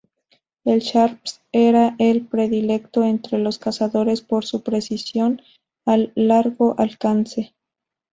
El Sharps era el predilecto entre los cazadores por su precisión a largo alcance.